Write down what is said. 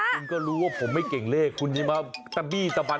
คุณก็รู้ว่าผมไม่เก่งเลขคุณจะมาตะบี้ตะบัน